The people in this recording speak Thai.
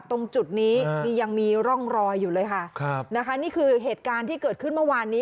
ตรงจุดนี้นี่ยังมีร่องรอยอยู่เลยค่ะครับนะคะนี่คือเหตุการณ์ที่เกิดขึ้นเมื่อวานนี้